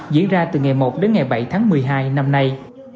diễn ra từ ngày một đến ngày bảy tháng một mươi hai năm nay